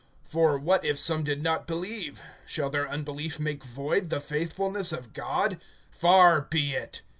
(3)For what if some did not believe? Shall their unbelief make void the faithfulness of God? (4)Far be it!